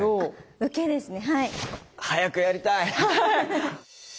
早くやりたい！